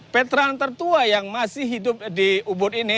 veteran tertua yang masih hidup di ubud ini